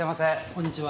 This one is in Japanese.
こんにちは。